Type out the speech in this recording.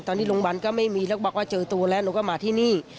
ตอนนี้โรงพยาบาลก็ไม่มีแล้วบอกว่าเจอตัวแล้วหนูก็มาที่นี่